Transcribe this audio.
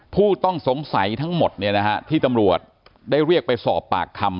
ผู้ต้องสงสัยทั้งหมดที่ตำรวจได้เรียกไปสอบปากคำ